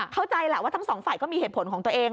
เข้าใจแหละว่าทั้งสองฝ่ายก็มีเหตุผลของตัวเอง